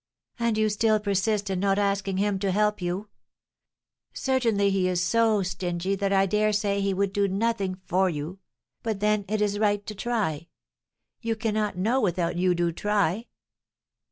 "And you still persist in not asking him to help you? Certainly he is so stingy that I daresay he would do nothing for you; but then it is right to try. You cannot know without you do try."